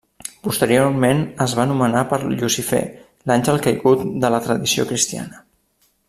Posteriorment es va nomenar per Llucifer, l'àngel caigut de la tradició cristiana.